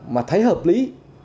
mà thấy hợp lý